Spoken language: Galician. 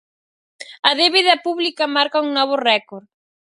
A débeda pública marca un novo récord.